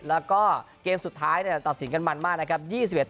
แล้วก็เกมสุดท้ายตัดสินกันมันมากนะครับ